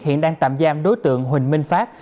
hiện đang tạm giam đối tượng huỳnh minh pháp